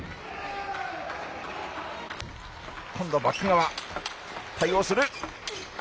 今度はバック側対応する。